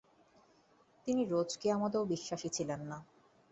তিনি রোজ কেয়ামতেও বিশ্বাসী ছিলেন না।